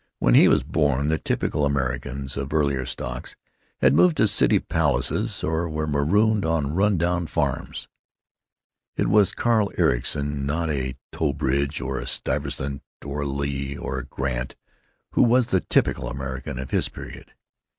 When he was born the "typical Americans" of earlier stocks had moved to city palaces or were marooned on run down farms. It was Carl Ericson, not a Trowbridge or a Stuyvesant or a Lee or a Grant, who was the "typical American" of his period.